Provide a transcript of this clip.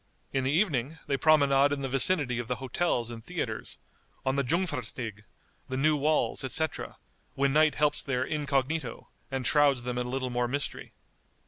In the evening they promenade in the vicinity of the hotels and theatres, on the Jungfernstig, the new walls, etc., when night helps their incognito, and shrouds them in a little more mystery.